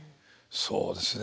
そうですね